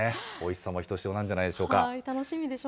おいしさもひとしおなんじゃないでしょうか。